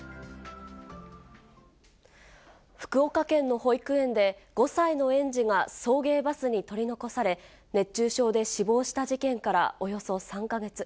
福岡県の保育園で、５歳の園児が送迎バスに取り残され、熱中症で死亡した事件からおよそ３か月。